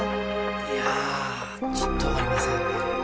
いやあちょっとわかりませんね。